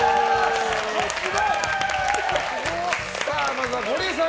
まずはゴリエさん